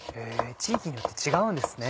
地域によって違うんですね。